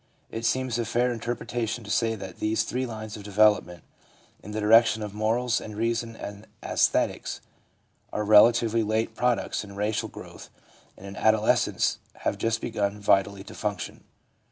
// seems a fair inter pretation to say that these three lines of development, in the direction of morals and reason and (Esthetics, are relatively late* products in racial growth, ' and in adol escence have just . begun vitally to function.